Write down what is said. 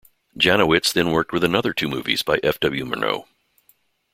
Janowitz then worked with another two movies by F. W. Murnau.